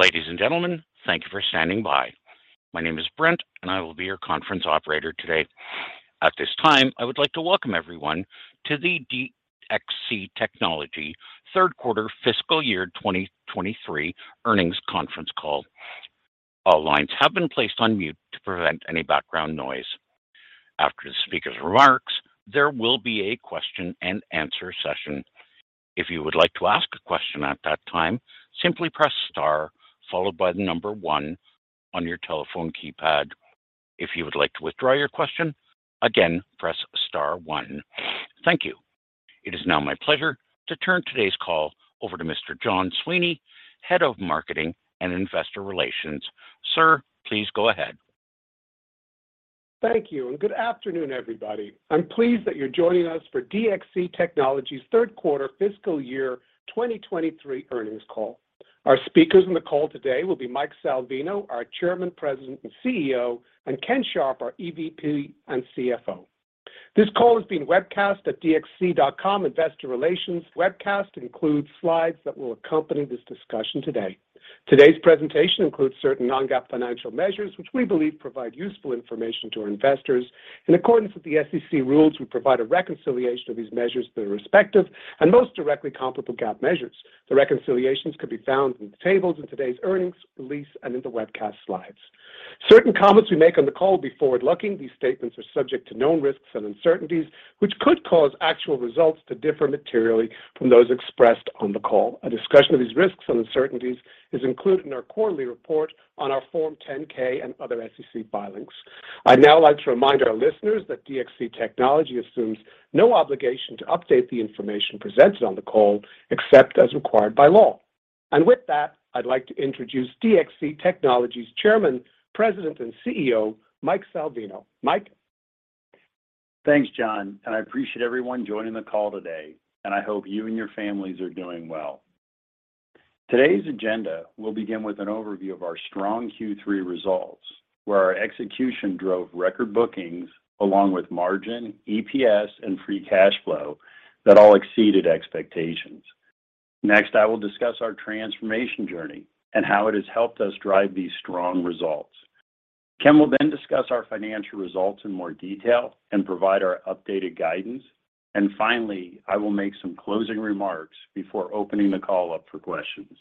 Ladies and gentlemen, thank you for standing by. My name is Brent, and I will be your conference operator today. At this time, I would like to welcome everyone to the DXC Technology third quarter fiscal year 2023 earnings conference call. All lines have been placed on mute to prevent any background noise. After the speaker's remarks, there will be a question-and-answer session. If you would like to ask a question at that time, simply press star followed by one on your telephone keypad. If you would like to withdraw your question, again, press star one. Thank you. It is now my pleasure to turn today's call over to Mr. John Sweeney, Head of Marketing and Investor Relations. Sir, please go ahead. Thank you. Good afternoon, everybody. I am pleased that you are joining us for DXC Technology's 3rd quarter fiscal year 2023 earnings call. Our speakers on the call today will be Mike Salvino, our Chairman, President, and CEO, and Ken Sharp, our EVP and CFO. This call is being webcast at dxc.com investor relations. Webcast includes slides that will accompany this discussion today. Today's presentation includes certain non-GAAP financial measures which we believe provide useful information to our investors. In accordance with the SEC rules, we provide a reconciliation of these measures to their respective and most directly comparable GAAP measures. The reconciliations could be found in the tables in today's earnings release and in the webcast slides. Certain comments we make on the call will be forward-looking. These statements are subject to known risks and uncertainties, which could cause actual results to differ materially from those expressed on the call. A discussion of these risks and uncertainties is included in our quarterly report on our Form 10-K and other SEC filings. I'd now like to remind our listeners that DXC Technology assumes no obligation to update the information presented on the call except as required by law. With that, I'd like to introduce DXC Technology's Chairman, President, and CEO, Mike Salvino. Mike? Thanks, John, and I appreciate everyone joining the call today, and I hope you and your families are doing well. Today's agenda will begin with an overview of our strong Q3 results, where our execution drove record bookings along with margin, EPS, and free cash flow that all exceeded expectations. I will discuss our transformation journey and how it has helped us drive these strong results. Ken will discuss our financial results in more detail and provide our updated guidance. Finally, I will make some closing remarks before opening the call up for questions.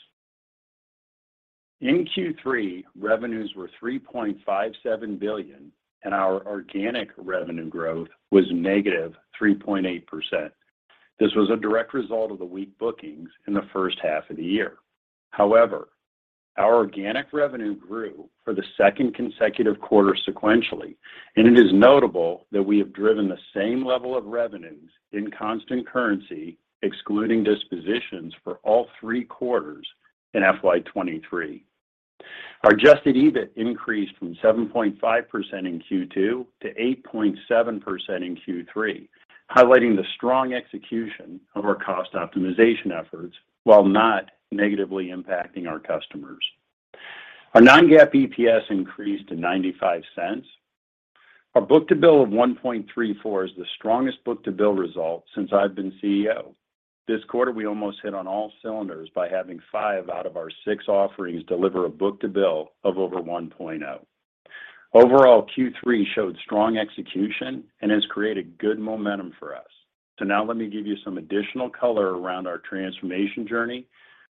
In Q3, revenues were $3.57 billion, and our organic revenue growth was -3.8%. This was a direct result of the weak bookings in the first half of the year. However, our organic revenue grew for the second consecutive quarter sequentially, and it is notable that we have driven the same level of revenues in constant currency, excluding dispositions for all three quarters in FY 2023. Our Adjusted EBIT increased from 7.5% in Q2 to 8.7% in Q3, highlighting the strong execution of our cost optimization efforts while not negatively impacting our customers. Our Non-GAAP EPS increased to $0.95. Our book-to-bill of 1.34 is the strongest book-to-bill result since I've been CEO. This quarter, we almost hit on all cylinders by having five out of our six offerings deliver a book-to-bill of over 1.0. Overall, Q3 showed strong execution and has created good momentum for us. Now let me give you some additional color around our transformation journey,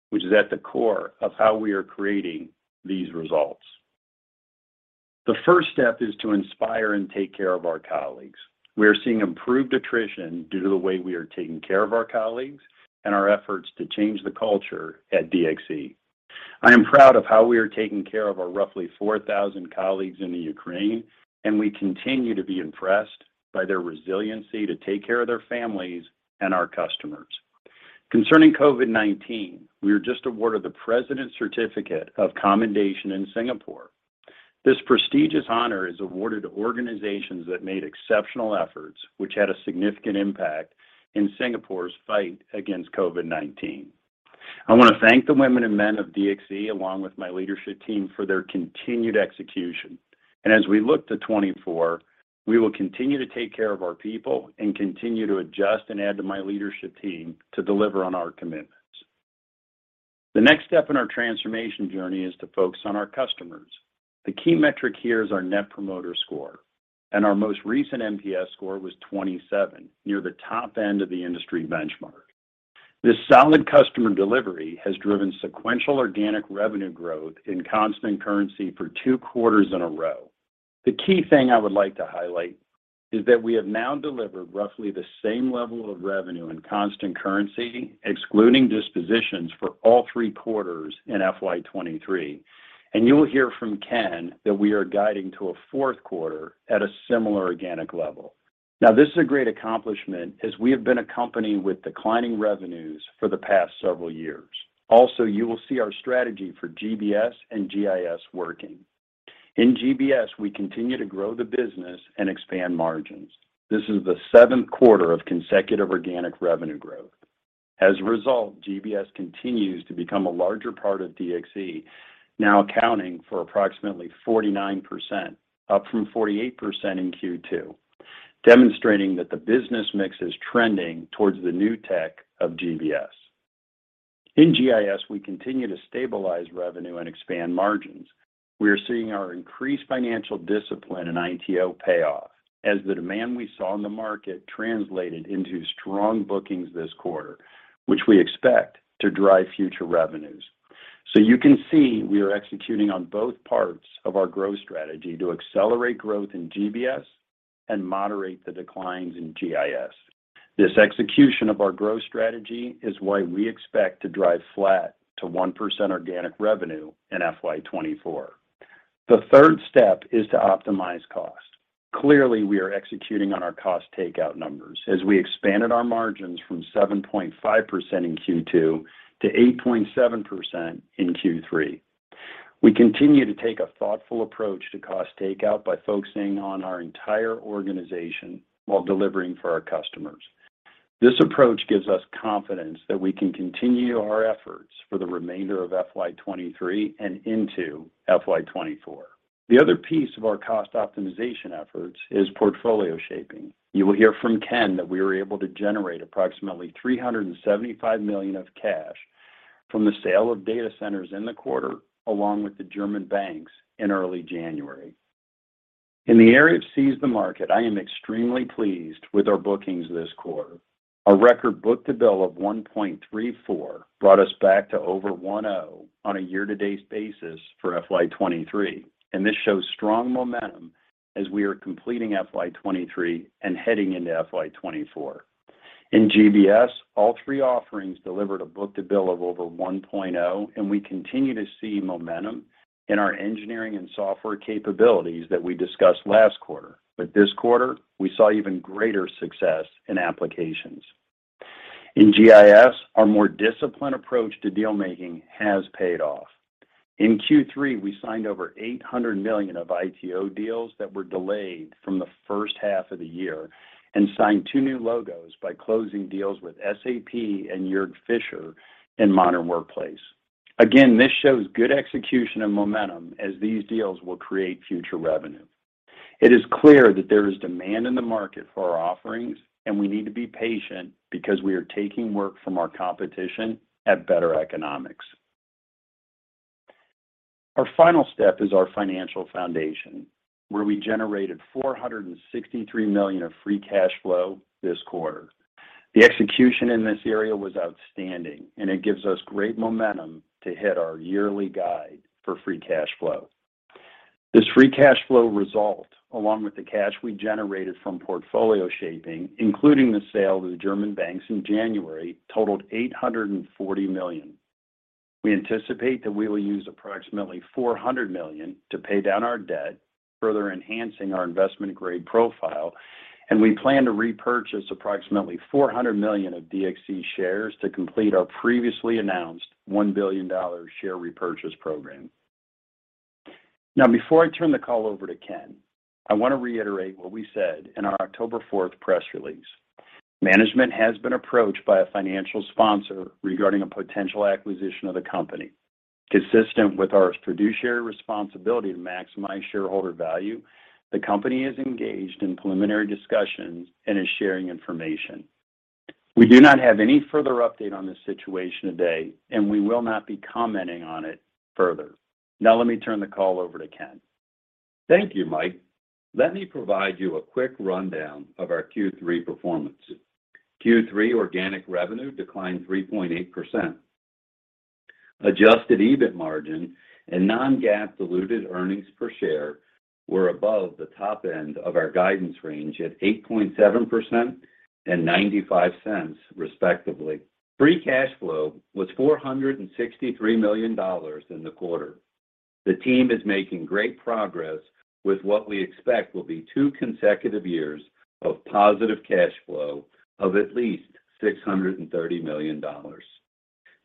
which is at the core of how we are creating these results. The first step is to inspire and take care of our colleagues. We are seeing improved attrition due to the way we are taking care of our colleagues and our efforts to change the culture at DXC. I am proud of how we are taking care of our roughly 4,000 colleagues in the Ukraine, and we continue to be impressed by their resiliency to take care of their families and our customers. Concerning COVID-19, we were just awarded the President's Certificate of Commendation in Singapore. This prestigious honor is awarded to organizations that made exceptional efforts which had a significant impact in Singapore's fight against COVID-19. I wanna thank the women and men of DXC, along with my leadership team, for their continued execution. As we look to 2024, we will continue to take care of our people and continue to adjust and add to my leadership team to deliver on our commitments. The next step in our transformation journey is to focus on our customers. The key metric here is our Net Promoter Score, and our most recent NPS score was 27, near the top end of the industry benchmark. This solid customer delivery has driven sequential organic revenue growth in constant currency for two quarters in a row. The key thing I would like to highlight is that we have now delivered roughly the same level of revenue in constant currency, excluding dispositions for all three quarters in FY 2023. You will hear from Ken that we are guiding to a fourth quarter at a similar organic level. This is a great accomplishment as we have been a company with declining revenues for the past several years. You will see our strategy for GBS and GIS working. In GBS, we continue to grow the business and expand margins. This is the seventh quarter of consecutive organic revenue growth. GBS continues to become a larger part of DXC, now accounting for approximately 49%, up from 48% in Q2. Demonstrating that the business mix is trending towards the new tech of GBS. In GIS, we continue to stabilize revenue and expand margins. We are seeing our increased financial discipline in ITO pay off, as the demand we saw in the market translated into strong bookings this quarter, which we expect to drive future revenues. You can see we are executing on both parts of our growth strategy to accelerate growth in GBS and moderate the declines in GIS. This execution of our growth strategy is why we expect to drive flat to 1% organic revenue in FY 2024. The third step is to optimize cost. Clearly, we are executing on our cost takeout numbers as we expanded our margins from 7.5% in Q2 to 8.7% in Q3. We continue to take a thoughtful approach to cost takeout by focusing on our entire organization while delivering for our customers. This approach gives us confidence that we can continue our efforts for the remainder of FY 2023 and into FY 2024. The other piece of our cost optimization efforts is portfolio shaping. You will hear from Ken that we were able to generate approximately $375 million of cash from the sale of data centers in the quarter, along with the German banks in early January. In the area of seize the market, I am extremely pleased with our bookings this quarter. A record book-to-bill of 1.34 brought us back to over one on a year-to-date basis for FY 2023. This shows strong momentum as we are completing FY 2023 and heading into FY 2024. In GBS, all three offerings delivered a book-to-bill of over 1.0. We continue to see momentum in our engineering and software capabilities that we discussed last quarter. This quarter, we saw even greater success in applications. In GIS, our more disciplined approach to deal-making has paid off. In Q3, we signed over $800 million of ITO deals that were delayed from the first half of the year and signed two new logos by closing deals with SAP and Georg Fischer in Modern Workplace. This shows good execution and momentum as these deals will create future revenue. It is clear that there is demand in the market for our offerings, and we need to be patient because we are taking work from our competition at better economics. Our final step is our financial foundation, where we generated $463 million of free cash flow this quarter. The execution in this area was outstanding, and it gives us great momentum to hit our yearly guide for free cash flow. This free cash flow result, along with the cash we generated from portfolio shaping, including the sale to the German banks in January, totaled $840 million. We anticipate that we will use approximately $400 million to pay down our debt, further enhancing our investment-grade profile, and we plan to repurchase approximately $400 million of DXC shares to complete our previously announced $1 billion share repurchase program. Now, before I turn the call over to Ken, I want to reiterate what we said in our October fourth press release. Management has been approached by a financial sponsor regarding a potential acquisition of the company. Consistent with our fiduciary responsibility to maximize shareholder value, the company is engaged in preliminary discussions and is sharing information. We do not have any further update on this situation today, and we will not be commenting on it further. Let me turn the call over to Ken. Thank you, Mike. Let me provide you a quick rundown of our Q3 performance. Q3 organic revenue declined 3.8%. Adjusted EBIT margin and non-GAAP diluted earnings per share were above the top end of our guidance range at 8.7% and $0.95, respectively. Free cash flow was $463 million in the quarter. The team is making great progress with what we expect will be two consecutive years of positive cash flow of at least $630 million.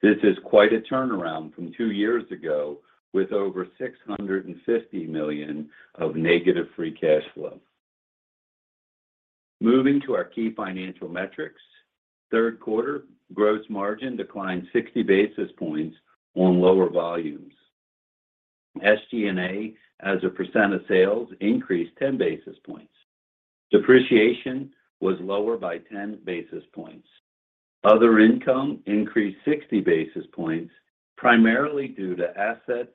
This is quite a turnaround from two years ago with over $650 million of negative free cash flow. Moving to our key financial metrics, third quarter gross margin declined 60 basis points on lower volumes. SG&A, as a % of sales, increased 10 basis points. Depreciation was lower by 10 basis points. Other income increased 60 basis points, primarily due to asset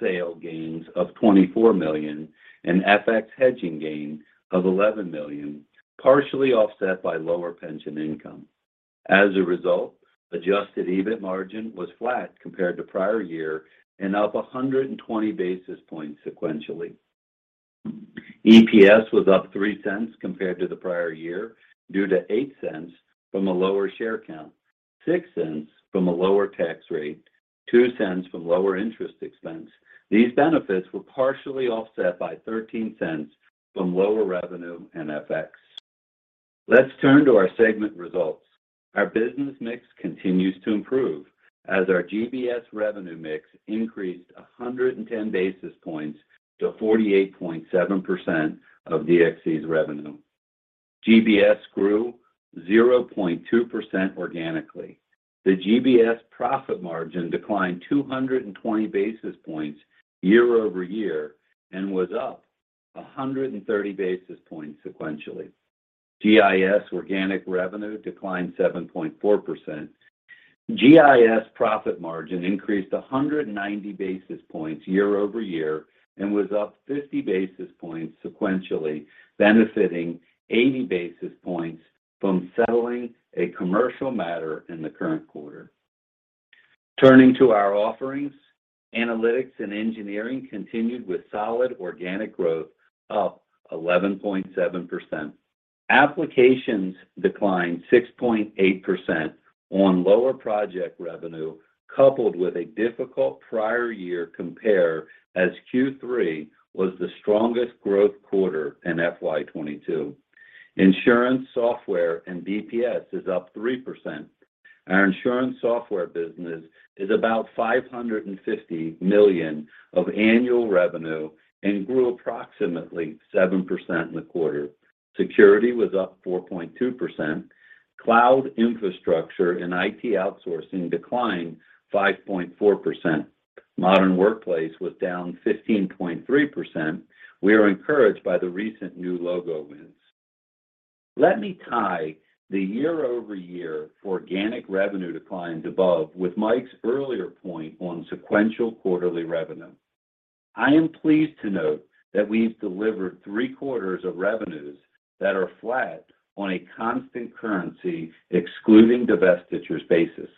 sale gains of $24 million and FX hedging gain of $11 million, partially offset by lower pension income. As a result, Adjusted EBIT margin was flat compared to prior year and up 120 basis points sequentially. EPS was up $0.03 compared to the prior year due to $0.08 from a lower share count, $0.06 from a lower tax rate, $0.02 from lower interest expense. These benefits were partially offset by $0.13 from lower revenue and FX. Let's turn to our segment results. Our business mix continues to improve as our GBS revenue mix increased 110 basis points to 48.7% of DXC's revenue. GBS grew 0.2% organically. The GBS profit margin declined 220 basis points year-over-year and was up 130 basis points sequentially. GIS organic revenue declined 7.4%. GIS profit margin increased 190 basis points year-over-year and was up 50 basis points sequentially, benefiting 80 basis points from settling a commercial matter in the current quarter. Turning to our offerings, Analytics & Engineering continued with solid organic growth, up 11.7%. Applications declined 6.8% on lower project revenue coupled with a difficult prior year compare as Q3 was the strongest growth quarter in FY 2022. Insurance software and BPS is up 3%. Our insurance software business is about $550 million of annual revenue and grew approximately 7% in the quarter. Security was up 4.2%. Cloud Infrastructure and IT Outsourcing declined 5.4%. Modern Workplace was down 15.3%. We are encouraged by the recent new logo wins. Let me tie the year-over-year organic revenue decline above with Mike's earlier point on sequential quarterly revenue. I am pleased to note that we've delivered 3 quarters of revenues that are flat on a constant currency, excluding divestitures basis.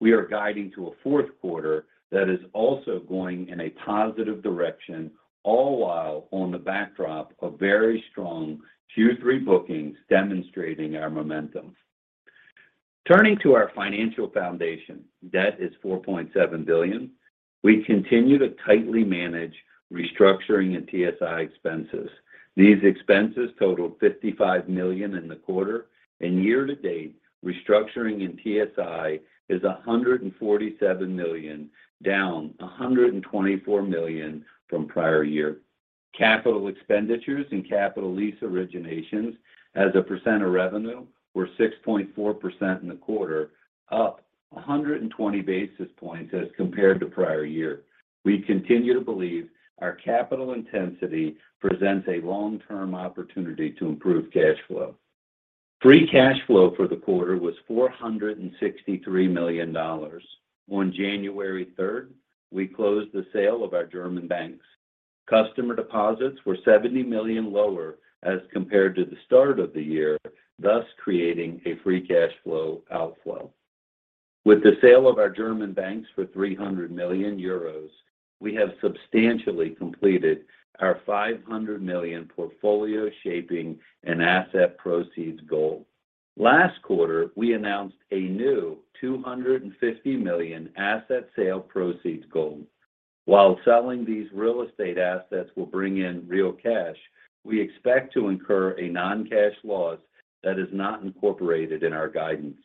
We are guiding to a fourth quarter that is also going in a positive direction, all while on the backdrop of very strong Q3 bookings demonstrating our momentum. Turning to our financial foundation, debt is $4.7 billion. We continue to tightly manage restructuring and TSI expenses. These expenses totaled $55 million in the quarter and year-to-date, restructuring in TSI is $147 million, down $124 million from prior year. Capital expenditures and capital lease originations as a percent of revenue were 6.4% in the quarter, up 120 basis points as compared to prior year. We continue to believe our capital intensity presents a long-term opportunity to improve cash flow. Free cash flow for the quarter was $463 million. On January third, we closed the sale of our German banks. Customer deposits were $70 million lower as compared to the start of the year, thus creating a free cash flow outflow. With the sale of our German banks for 300 million euros, we have substantially completed our $500 million portfolio shaping and asset proceeds goal. Last quarter, we announced a new $250 million asset sale proceeds goal. While selling these real estate assets will bring in real cash, we expect to incur a non-cash loss that is not incorporated in our guidance.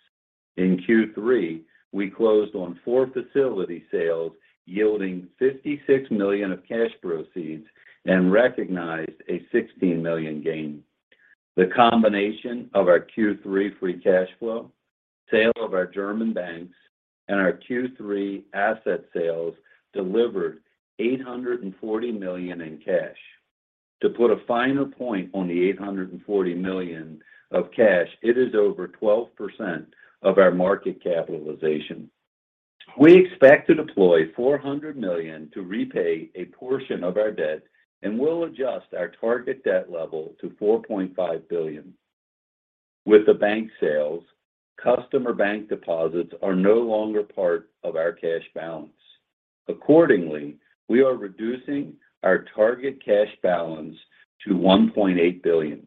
In Q3, we closed on four facility sales yielding $56 million of cash proceeds and recognized a $16 million gain. The combination of our Q3 free cash flow, sale of our German banks, and our Q3 asset sales delivered $840 million in cash. To put a finer point on the $840 million of cash, it is over 12% of our market capitalization. We expect to deploy $400 million to repay a portion of our debt and will adjust our target debt level to $4.5 billion. With the bank sales, customer bank deposits are no longer part of our cash balance. Accordingly, we are reducing our target cash balance to $1.8 billion.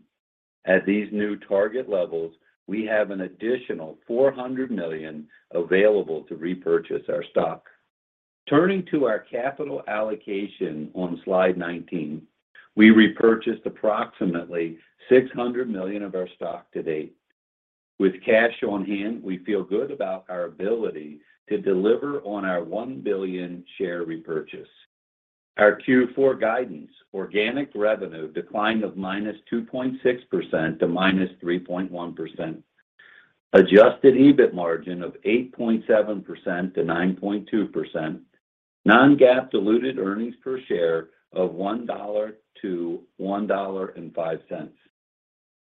At these new target levels, we have an additional $400 million available to repurchase our stock. Turning to our capital allocation on slide 19, we repurchased approximately $600 million of our stock to date. With cash on hand, we feel good about our ability to deliver on our $1 billion share repurchase. Our Q4 guidance, organic revenue decline of -2.6% to -3.1%. Adjusted EBIT margin of 8.7% to 9.2%. Non-GAAP diluted earnings per share of $1.00-$1.05.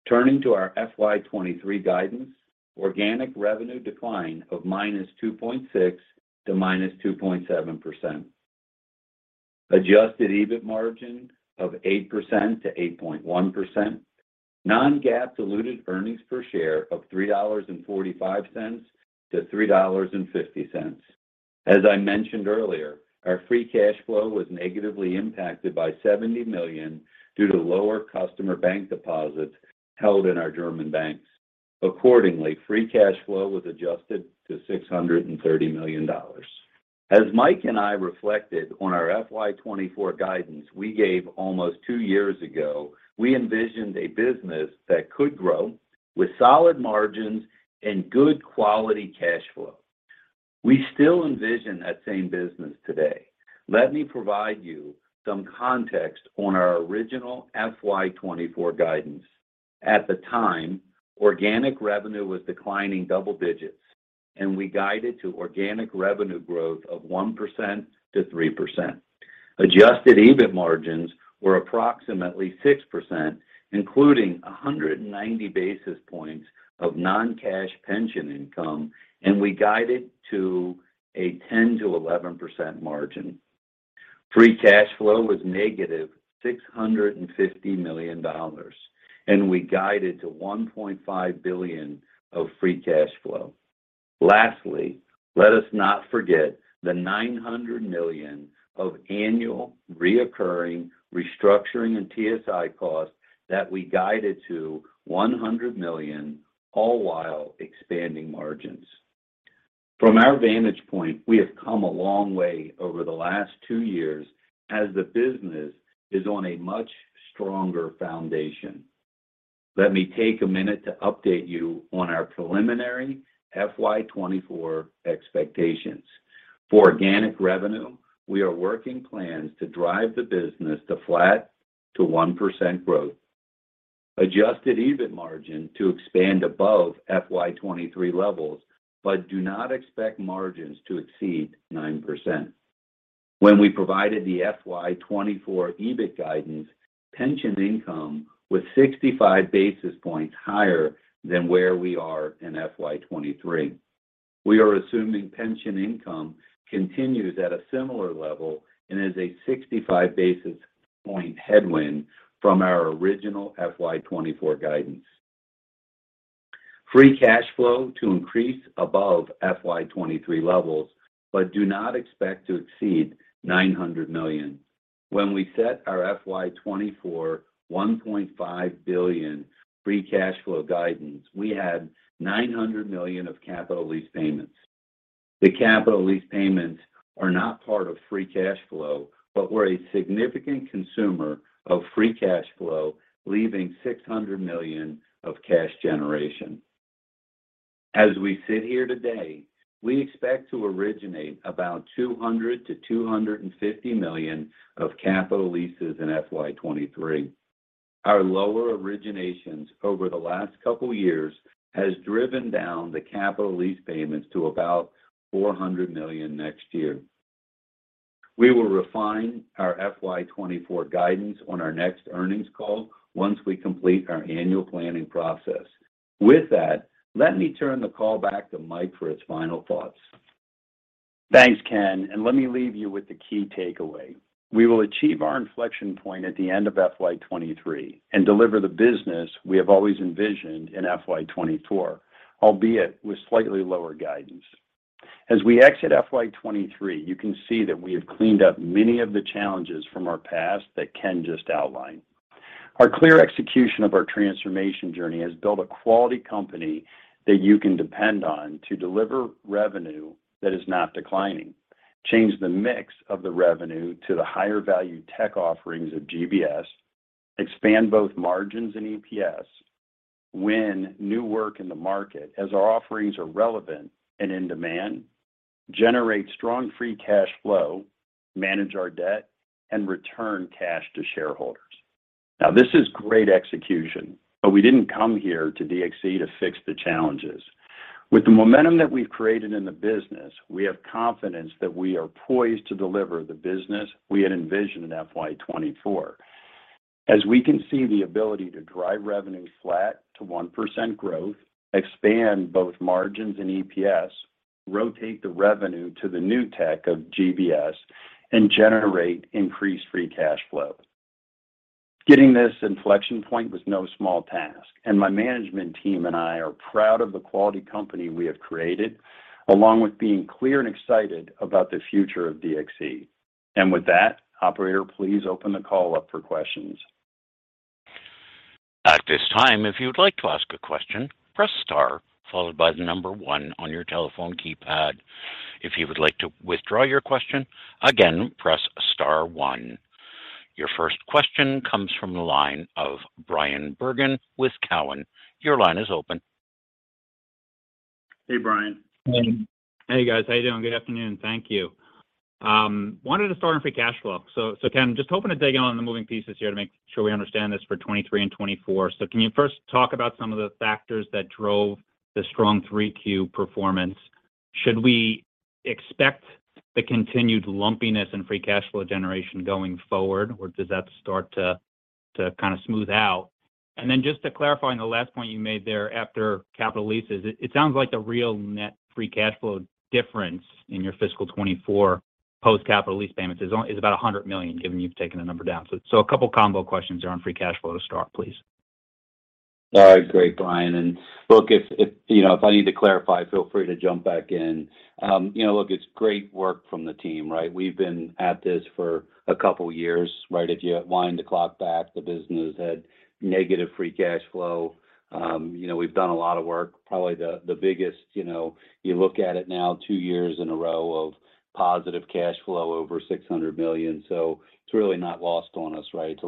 Turning to our FY 2023 guidance, organic revenue decline of -2.6% to -2.7%. Adjusted EBIT margin of 8.0% to 8.1%. Non-GAAP diluted earnings per share of $3.45-$3.50. As I mentioned earlier, our free cash flow was negatively impacted by $70 million due to lower customer bank deposits held in our German banks. Free cash flow was adjusted to $630 million. As Mike and I reflected on our FY 2024 guidance we gave almost two years ago, we envisioned a business that could grow with solid margins and good quality cash flow. We still envision that same business today. Let me provide you some context on our original FY 2024 guidance. At the time, organic revenue was declining double digits, we guided to organic revenue growth of 1%-3%. Adjusted EBIT margins were approximately 6%, including 190 basis points of non-cash pension income, we guided to a 10%-11% margin. Free cash flow was negative $650 million, and we guided to $1.5 billion of free cash flow. Lastly, let us not forget the $900 million of annual recurring restructuring and TSI costs that we guided to $100 million, all while expanding margins. From our vantage point, we have come a long way over the last two years as the business is on a much stronger foundation. Let me take a minute to update you on our preliminary FY 2024 expectations. For organic revenue, we are working plans to drive the business to flat to 1% growth. Adjusted EBIT margin to expand above FY 2023 levels, but do not expect margins to exceed 9%. When we provided the FY 2024 EBIT guidance, pension income was 65 basis points higher than where we are in FY 2023. We are assuming pension income continues at a similar level and is a 65 basis point headwind from our original FY 2024 guidance. Free cash flow to increase above FY 2023 levels. Do not expect to exceed $900 million. When we set our FY 2024 $1.5 billion free cash flow guidance, we had $900 million of capital lease payments. The capital lease payments are not part of free cash flow, but were a significant consumer of free cash flow, leaving $600 million of cash generation. As we sit here today, we expect to originate about $200 million-$250 million of capital leases in FY 2023. Our lower originations over the last couple years has driven down the capital lease payments to about $400 million next year. We will refine our FY 2024 guidance on our next earnings call once we complete our annual planning process. With that, let me turn the call back to Mike for his final thoughts. Thanks, Ken. Let me leave you with the key takeaway. We will achieve our inflection point at the end of FY2023 and deliver the business we have always envisioned in FY 2024, albeit with slightly lower guidance. As we exit FY 2023, you can see that we have cleaned up many of the challenges from our past that Ken just outlined. Our clear execution of our transformation journey has built a quality company that you can depend on to deliver revenue that is not declining. Change the mix of the revenue to the higher value tech offerings of GBS. Expand both margins and EPS. Win new work in the market as our offerings are relevant and in demand. Generate strong free cash flow, manage our debt, and return cash to shareholders. This is great execution, but we didn't come here to DXC to fix the challenges. With the momentum that we've created in the business, we have confidence that we are poised to deliver the business we had envisioned in FY 2024. As we can see, the ability to drive revenue flat to 1% growth, expand both margins and EPS, rotate the revenue to the new tech of GBS, and generate increased free cash flow. Getting this inflection point was no small task, and my management team and I are proud of the quality company we have created, along with being clear and excited about the future of DXC. With that, operator, please open the call up for questions. At this time, if you would like to ask a question, press star followed by the one on your telephone keypad. If you would like to withdraw your question, again, press star one. Your first question comes from the line of Brian Bergen with Cowen. Your line is open. Hey, Brian. Hey guys. How you doing? Good afternoon. Thank you. Wanted to start on free cash flow. Ken, just hoping to dig on the moving pieces here to make sure we understand this for 2023 and 2024. Can you first talk about some of the factors that drove the strong 3Q performance? Should we expect the continued lumpiness in free cash flow generation going forward, or does that start to kinda smooth out? Then just to clarify on the last point you made there after capital leases, it sounds like the real net free cash flow difference in your fiscal 2024 post-capital lease payments is about $100 million, given you've taken the number down. A couple combo questions there on free cash flow to start, please. All right. Great, Brian. Look, if, you know, if I need to clarify, feel free to jump back in. You know, look, it's great work from the team, right? We've been at this for a couple years, right? If you wind the clock back, the business had negative free cash flow. You know, we've done a lot of work. Probably the biggest, you know, you look at it now two years and Positive cash flow over $600 million. It's really not lost on us, right? It's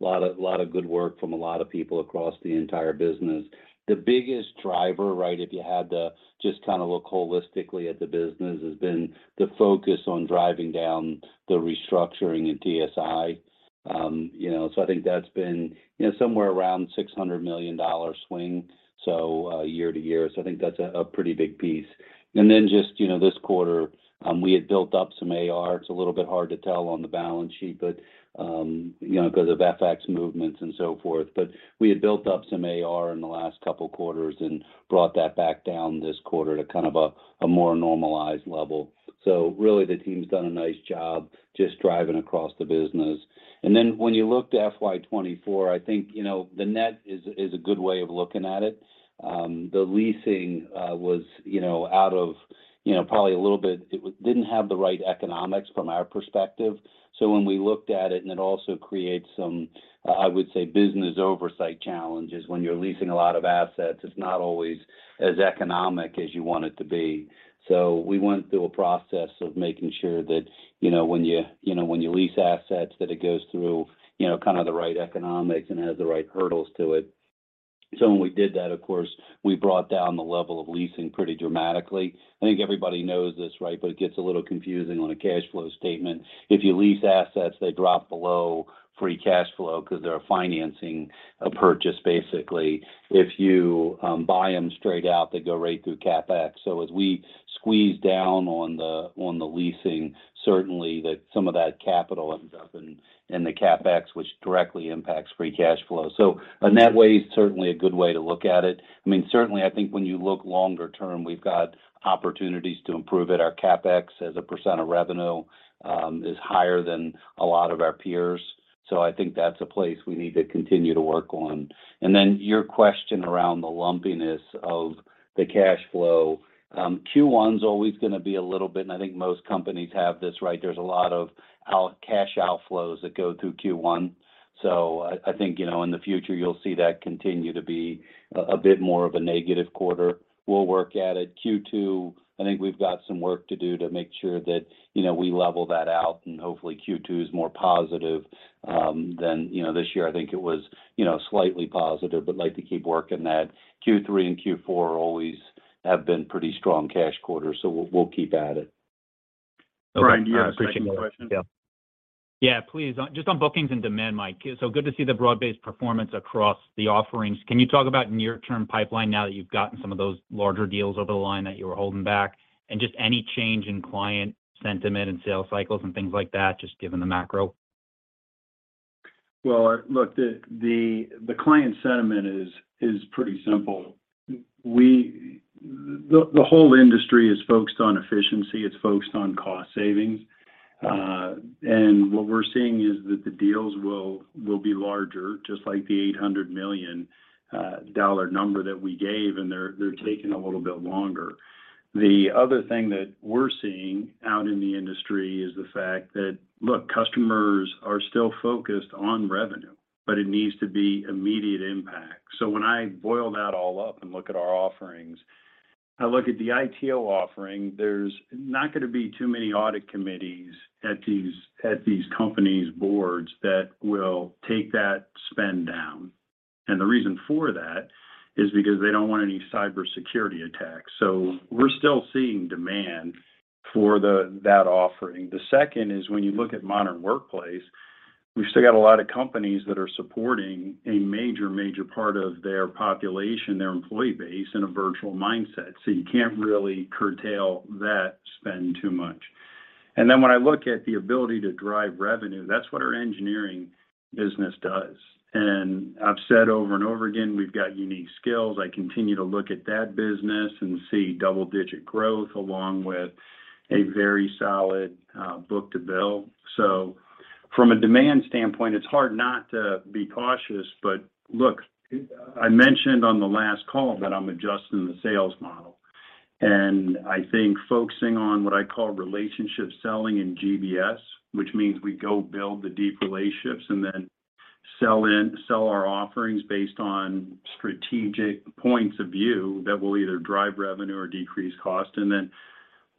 a lot of good work from a lot of people across the entire business. The biggest driver, right, if you had to just kind of look holistically at the business, has been the focus on driving down the restructuring in TSI. You know, I think that's been, you know, somewhere around a $600 million swing, year to year. I think that's a pretty big piece. Then just, you know, this quarter, we had built up some AR, it's a little bit hard to tell on the balance sheet, but, you know, because of FX movements and so forth. We had built up some AR in the last couple quarters and brought that back down this quarter to kind of a more normalized level. Really the team's done a nice job just driving across the business. When you look to FY 2024, I think, you know, the net is a good way of looking at it. The leasing was, you know, out of, you know, probably a little bit didn't have the right economics from our perspective. When we looked at it, and it also creates some, I would say, business oversight challenges. When you're leasing a lot of assets, it's not always as economic as you want it to be. We went through a process of making sure that, you know, when you know, when you lease assets, that it goes through, you know, kind of the right economics and has the right hurdles to it. When we did that, of course, we brought down the level of leasing pretty dramatically. I think everybody knows this, right? It gets a little confusing on a cash flow statement. If you lease assets, they drop below free cash flow because they're financing a purchase, basically. If you buy them straight out, they go right through CapEx. As we squeeze down on the leasing, certainly that some of that capital ends up in the CapEx, which directly impacts free cash flow. A net way is certainly a good way to look at it. I mean, certainly I think when you look longer term, we've got opportunities to improve it. Our CapEx as a % of revenue is higher than a lot of our peers. I think that's a place we need to continue to work on. Your question around the lumpiness of the cash flow. Q1 is always gonna be a little bit, and I think most companies have this, right? There's a lot of out-cash outflows that go through Q1. I think, you know, in the future, you'll see that continue to be a bit more of a negative quarter. We'll work at it. Q2, I think we've got some work to do to make sure that, you know, we level that out, and hopefully Q2 is more positive than, you know. This year, I think it was, you know, slightly positive, but like to keep working that. Q3 and Q4 always have been pretty strong cash quarters, so we'll keep at it. Brian, do you have a second question? Yeah. Just on bookings and demand, Mike. Good to see the broad-based performance across the offerings. Can you talk about near-term pipeline now that you've gotten some of those larger deals over the line that you were holding back? Just any change in client sentiment and sales cycles and things like that, just given the macro. Well, look, the client sentiment is pretty simple. The whole industry is focused on efficiency, it's focused on cost savings. What we're seeing is that the deals will be larger, just like the $800 million number that we gave, and they're taking a little bit longer. The other thing that we're seeing out in the industry is the fact that, look, customers are still focused on revenue, but it needs to be immediate impact. When I boil that all up and look at our offerings, I look at the ITO offering, there's not gonna be too many audit committees at these companies' boards that will take that spend down. The reason for that is because they don't want any cybersecurity attacks. We're still seeing demand for that offering. The second is when you look at Modern Workplace, we've still got a lot of companies that are supporting a major part of their population, their employee base in a virtual mindset, so you can't really curtail that spend too much. When I look at the ability to drive revenue, that's what our engineering business does. I've said over and over again, we've got unique skills. I continue to look at that business and see double-digit growth along with a very solid book-to-bill. From a demand standpoint, it's hard not to be cautious. Look, I mentioned on the last call that I'm adjusting the sales model, and I think focusing on what I call relationship selling in GBS, which means we go build the deep relationships and then sell our offerings based on strategic points of view that will either drive revenue or decrease cost.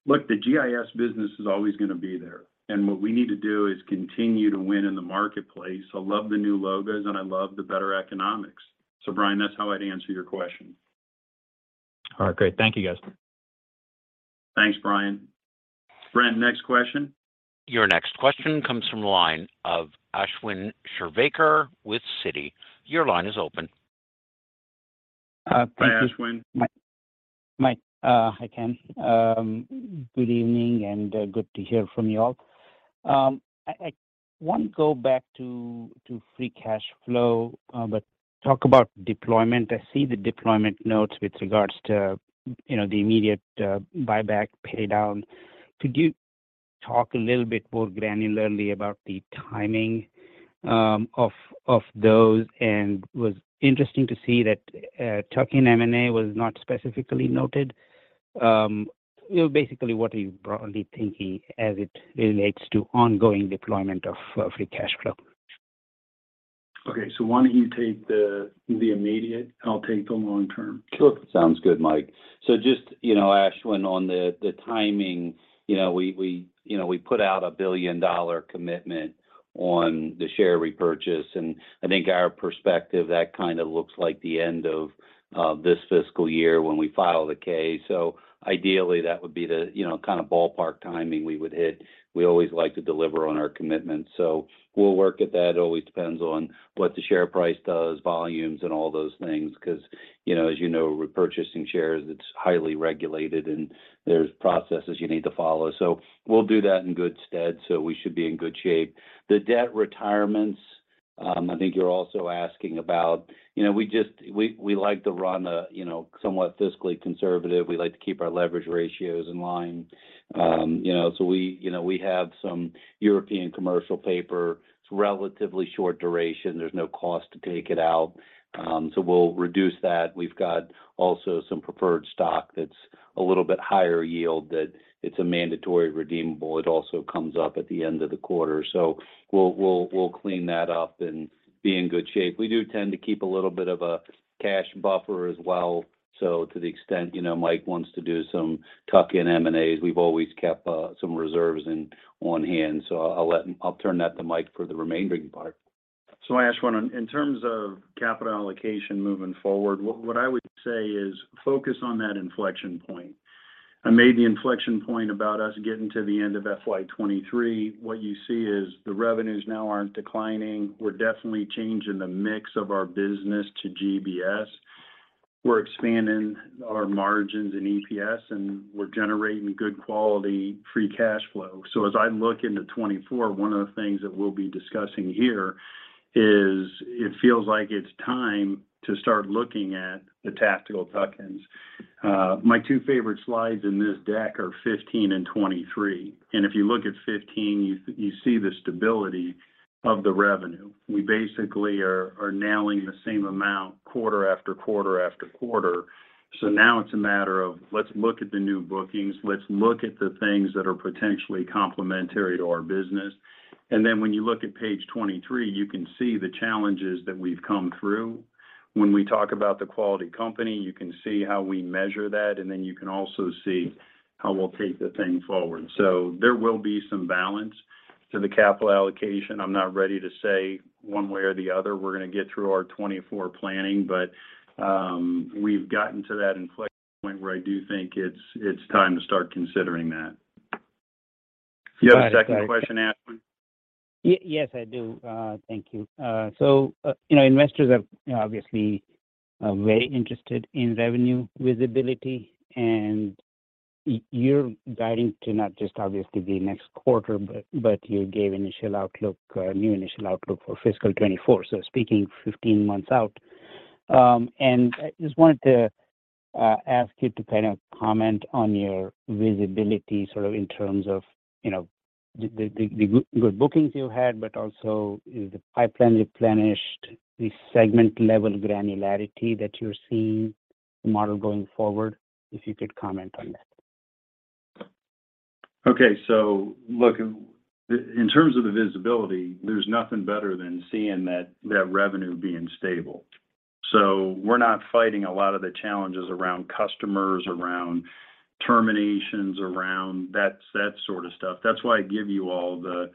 Look, the GIS business is always gonna be there, and what we need to do is continue to win in the marketplace. I love the new logos, and I love the better economics. Brian, that's how I'd answer your question. All right, great. Thank you, guys. Thanks, Brian. Brent, next question. Your next question comes from the line of Ashwin Shirvaikar with Citi. Your line is open. Hi, Ashwin. Mike, hi, Ken. Good evening and good to hear from you all. I want to go back to free cash flow, but talk about deployment. I see the deployment notes with regards to, you know, the immediate buyback paydown. Could you talk a little bit more granularly about the timing of those? It was interesting to see that tuck-in M&A was not specifically noted. You know, basically, what are you broadly thinking as it relates to ongoing deployment of free cash flow? Okay. why don't you take the immediate, and I'll take the long term. Sure. Sounds good, Mike. Just, you know, Ashwin, on the timing, you know, we, you know, we put out a billion-dollar commitment on the share repurchase, and I think our perspective, that kind of looks like the end of this fiscal year when we file the K. Ideally, that would be the, you know, kind of ballpark timing we would hit. We always like to deliver on our commitments. We'll work at that. It always depends on what the share price does, volumes and all those things 'cause, you know, repurchasing shares, it's highly regulated, and there's processes you need to follow. We'll do that in good stead, so we should be in good shape. The debt retirements, I think you're also asking about. You know, we like to run a, you know, somewhat fiscally conservative. We like to keep our leverage ratios in line. You know, we, you know, we have some European commercial paper. It's relatively short duration. There's no cost to take it out. We'll reduce that. We've got also some preferred stock that's a little bit higher yield that it's a mandatory redeemable. It also comes up at the end of the quarter. We'll clean that up and be in good shape. We do tend to keep a little bit of a cash buffer as well. To the extent, you know, Mike wants to do some tuck-in M&As, we've always kept some reserves on-hand. I'll turn that to Mike for the remaining part. Ashwin Shirvaikar, in terms of capital allocation moving forward, what I would say is focus on that inflection point. I made the inflection point about us getting to the end of FY 2023. What you see is the revenues now aren't declining. We're definitely changing the mix of our business to GBS. We're expanding our margins in EPS, and we're generating good quality free cash flow. As I look into 2024, one of the things that we'll be discussing here is it feels like it's time to start looking at the tactical tuck-ins. My two favorite slides in this deck are 15 and 23. If you look at 15, you see the stability of the revenue. We basically are nailing the same amount quarter-after-quarter. Now it's a matter of let's look at the new bookings, let's look at the things that are potentially complementary to our business. When you look at page 23, you can see the challenges that we've come through. When we talk about the quality company, you can see how we measure that, and then you can also see how we'll take the thing forward. There will be some balance to the capital allocation. I'm not ready to say one way or the other. We're gonna get through our 2024 planning, but we've gotten to that inflection point where I do think it's time to start considering that. You have a second question, Ashwin? Yes, I do. Thank you. So, you know, investors are obviously very interested in revenue visibility, and you're guiding to not just obviously the next quarter, but you gave initial outlook, new initial outlook for fiscal 2024, so speaking 15 months out. I just wanted to ask you to kind of comment on your visibility sort of in terms of, you know, the good bookings you had, but also is the pipeline replenished, the segment-level granularity that you're seeing the model going forward, if you could comment on that. Okay. Look, in terms of the visibility, there's nothing better than seeing that revenue being stable. We're not fighting a lot of the challenges around customers, around terminations, around that sort of stuff. That's why I give you all the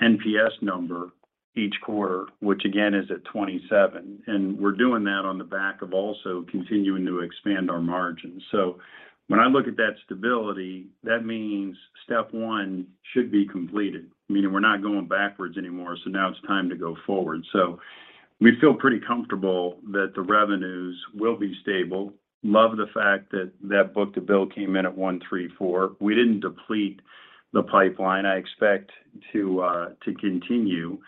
NPS number each quarter, which again is at 27. We're doing that on the back of also continuing to expand our margins. When I look at that stability, that means step one should be completed, meaning we're not going backwards anymore, so now it's time to go forward. We feel pretty comfortable that the revenues will be stable. Love the fact that book-to-bill came in at 1.34. We didn't deplete the pipeline. I expect to continue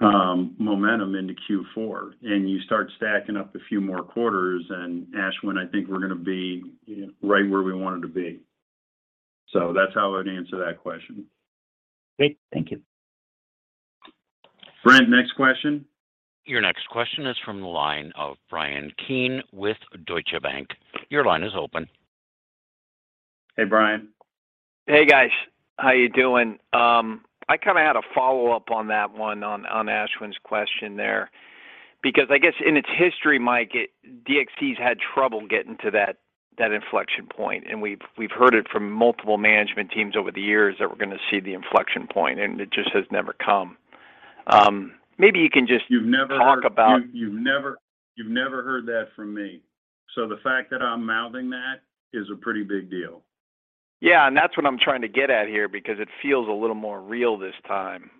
momentum into Q4. You start stacking up a few more quarters, and Ashwin, I think we're gonna be right where we wanted to be. That's how I'd answer that question. Great. Thank you. Brent, next question. Your next question is from the line of Bryan Keane with Deutsche Bank. Your line is open. Hey, Brian. Hey, guys. How you doing? I kind of had a follow-up on that one, on Ashwin's question there because I guess in its history, Mike, DXC has had trouble getting to that inflection point, and we've heard it from multiple management teams over the years that we're gonna see the inflection point, and it just has never come. Maybe you can just. You've never heard- -talk about- You've never heard that from me. The fact that I'm mouthing that is a pretty big deal. Yeah, that's what I'm trying to get at here because it feels a little more real this time.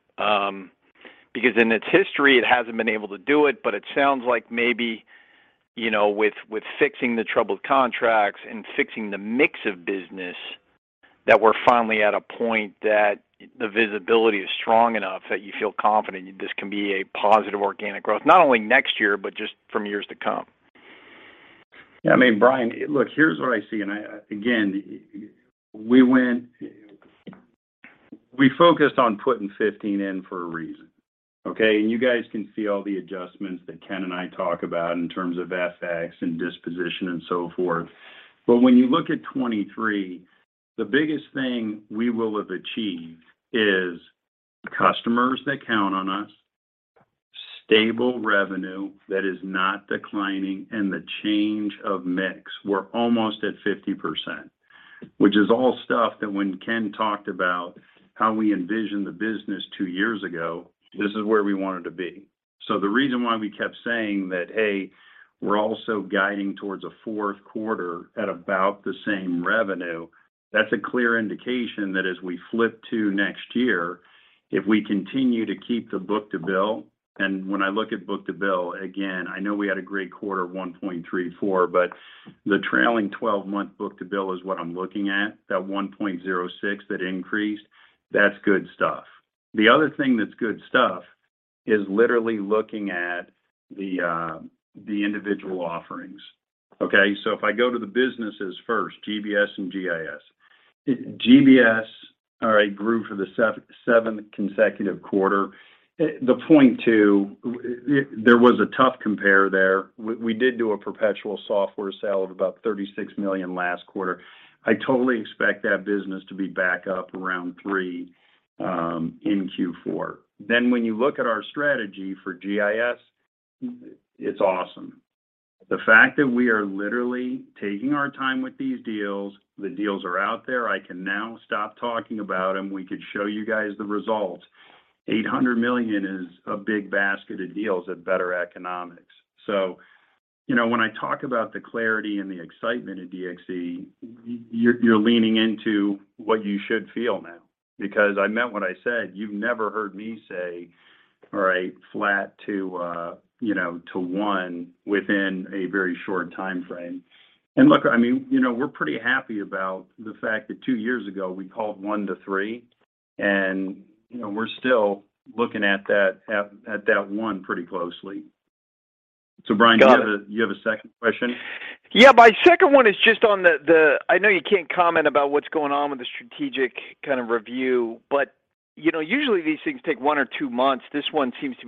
Because in its history, it hasn't been able to do it, but it sounds like maybe, you know, with fixing the troubled contracts and fixing the mix of business, that we're finally at a point that the visibility is strong enough that you feel confident this can be a positive organic growth, not only next year, but just from years to come. Yeah, I mean, Brian, look, here's what I see, again, we focused on putting 15 in for a reason, okay? You guys can see all the adjustments that Ken and I talk about in terms of FX and disposition and so forth. When you look at 23, the biggest thing we will have achieved is customers that count on us, stable revenue that is not declining, and the change of mix. We're almost at 50%, which is all stuff that when Ken talked about how we envisioned the business two years ago, this is where we wanted to be. The reason why we kept saying that, "Hey, we're also guiding towards a fourth quarter at about the same revenue," that's a clear indication that as we flip to next year, if we continue to keep the book-to-bill, and when I look at book-to-bill, again, I know we had a great quarter, 1.34, but the trailing 12-month book-to-bill is what I'm looking at. That 1.06 that increased, that's good stuff. The other thing that's good stuff is literally looking at the individual offerings, okay? If I go to the businesses first, GBS and GIS. GBS, all right, grew for the seventh consecutive quarter. The 0.2, there was a tough compare there. We did do a perpetual software sale of about $36 million last quarter. I totally expect that business to be back up around 3% in Q4. When you look at our strategy for GIS, it's awesome. The fact that we are literally taking our time with these deals, the deals are out there, I can now stop talking about them, we could show you guys the results. $800 million is a big basket of deals at better economics. You know, when I talk about the clarity and the excitement at DXC, you're leaning into what you should feel now because I meant what I said. You've never heard me say, all right, flat to, you know, to 1% within a very short timeframe. look, I mean, you know, we're pretty happy about the fact that two years ago, we called one to three, and, you know, we're still looking at that one pretty closely. Brian- Got it.... you have a second question? Yeah. My second one is just on the I know you can't comment about what's going on with the strategic kind of review, but, you know, usually these things take one or two months. This one seems to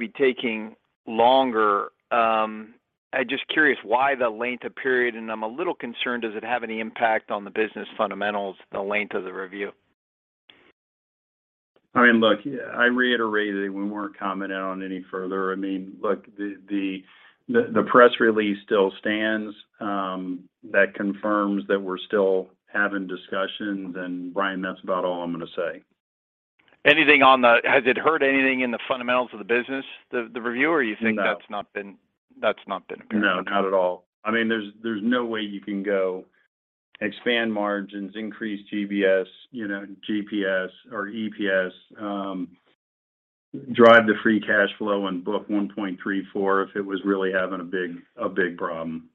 be taking longer. I'm just curious why the length of period, and I'm a little concerned, does it have any impact on the business fundamentals, the length of the review? I mean, look, I reiterated we weren't commenting on any further. I mean, look, the press release still stands. That confirms that we're still having discussions. Brian, that's about all I'm gonna say. Anything, has it hurt anything in the fundamentals of the business, the review? No. You think that's not been apparent? No, not at all. I mean, there's no way you can go expand margins, increase GBS, you know, GPS or EPS, drive the free cash flow and book 1.34 if it was really having a big problem.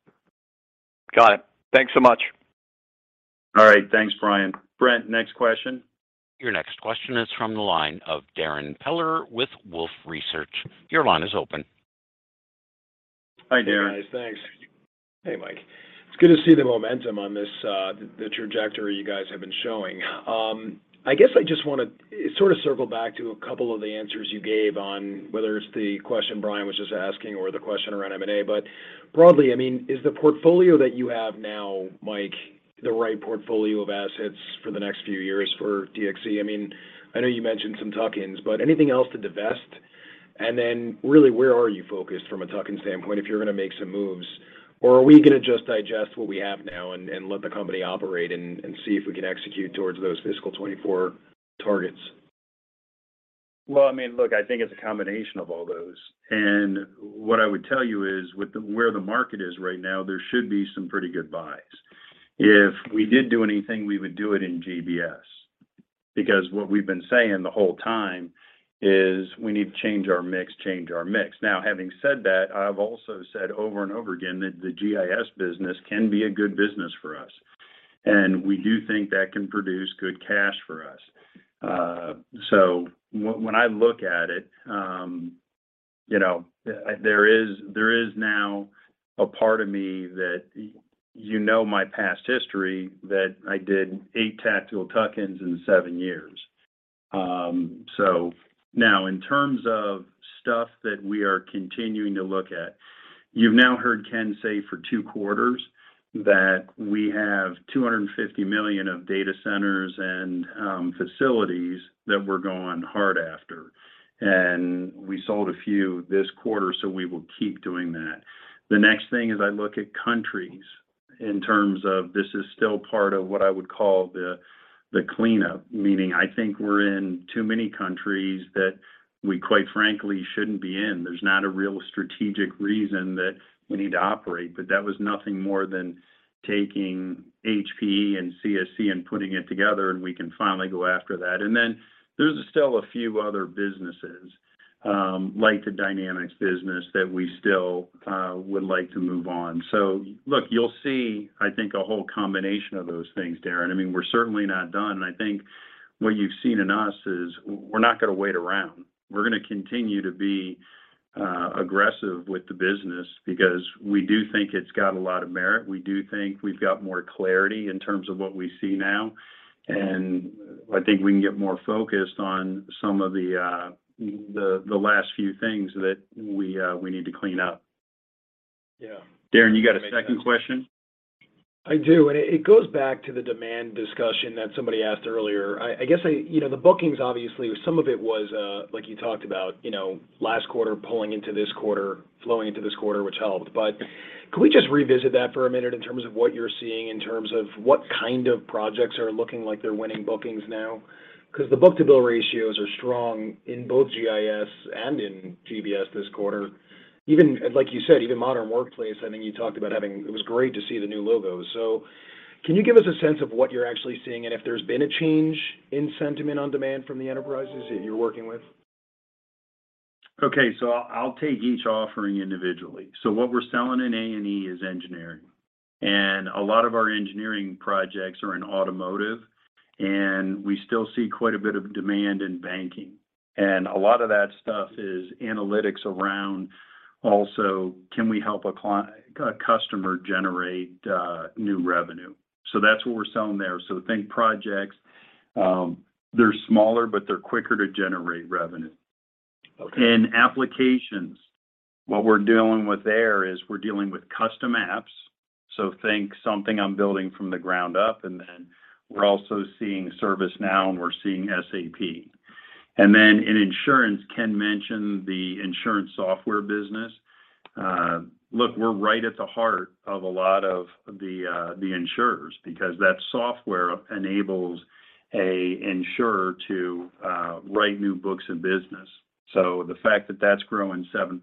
Got it. Thanks so much. All right. Thanks, Brian. Brent, next question. Your next question is from the line of Darrin Peller with Wolfe Research. Your line is open. Hi, Daren. Hey, guys. Thanks. Hey, Mike. It's good to see the momentum on this, the trajectory you guys have been showing. I guess I just wanna sort of circle back to a couple of the answers you gave on whether it's the question Brian was just asking or the question around M&A, but broadly, I mean, is the portfolio that you have now, Mike, the right portfolio of assets for the next few years for DXC? I mean, I know you mentioned some tuck-ins, but anything else to divest? Then really, where are you focused from a tuck-in standpoint, if you're gonna make some moves? Or are we gonna just digest what we have now and let the company operate and see if we can execute towards those fiscal 24 targets? Well, I mean, look, I think it's a combination of all those. What I would tell you is where the market is right now, there should be some pretty good buys. If we did do anything, we would do it in GBS because what we've been saying the whole time is we need to change our mix, change our mix. Now, having said that, I've also said over and over again that the GIS business can be a good business for us, and we do think that can produce good cash for us. When I look at it, you know, there is, there is now a part of me that, you know my past history, that I did eight tactical tuck-ins in seven years. Now in terms of stuff that we are continuing to look at, you've now heard Ken say for seven quarters that we have $250 million of data centers and facilities that we're going hard after, and we sold a few this quarter, so we will keep doing that. The next thing is I look at countries in terms of this is still part of what I would call the cleanup, meaning I think we're in too many countries that we quite frankly shouldn't be in. There's not a real strategic reason that we need to operate, but that was nothing more than taking HP and CSC and putting it together, and we can finally go after that. There's still a few other businesses, like the Dynamics business that we still would like to move on. You'll see, I think, a whole combination of those things, Darrin. I mean, we're certainly not done. I think what you've seen in us is we're not gonna wait around. We're gonna continue to be aggressive with the business because we do think it's got a lot of merit. We do think we've got more clarity in terms of what we see now. And I think we can get more focused on some of the last few things that we need to clean up. Yeah. Darrin, you got a second question? I do, and it goes back to the demand discussion that somebody asked earlier. I guess I. You know, the bookings, obviously, some of it was, like you talked about, you know, last quarter pulling into this quarter, flowing into this quarter, which helped. Can we just revisit that for a minute in terms of what you're seeing in terms of what kind of projects are looking like they're winning bookings now? The book-to-bill ratios are strong in both GIS and in GBS this quarter. Even, like you said, even Modern Workplace, I think you talked about. It was great to see the new logos. Can you give us a sense of what you're actually seeing and if there's been a change in sentiment on demand from the enterprises that you're working with? Okay. I'll take each offering individually. What we're selling in A&E is engineering, and a lot of our engineering projects are in automotive, and we still see quite a bit of demand in banking. A lot of that stuff is analytics around also, can we help a customer generate new revenue? That's what we're selling there. Think projects, they're smaller, but they're quicker to generate revenue. Okay. In applications, what we're dealing with there is we're dealing with custom apps. Think something I'm building from the ground up, and then we're also seeing ServiceNow, and we're seeing SAP. In insurance, Ken mentioned the insurance software business. Look, we're right at the heart of a lot of the insurers because that software enables a insurer to write new books of business. The fact that that's growing 7%,